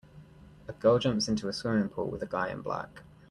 A girl jumps into a swimming pool with a guy in black.